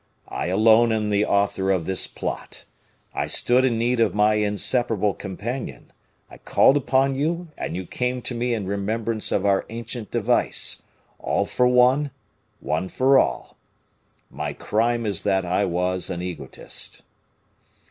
I alone am the author of this plot. I stood in need of my inseparable companion; I called upon you, and you came to me in remembrance of our ancient device, 'All for one, one for all.' My crime is that I was an egotist."